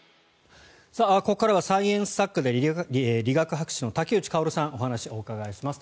ここからはサイエンス作家で理学博士の竹内薫さんにお話をお伺いします。